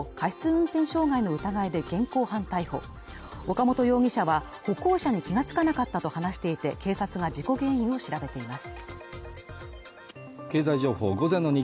運転傷害の疑いで現行犯逮捕岡元容疑者は歩行者に気が付かなかったと話していて警察が事故原因を調べています。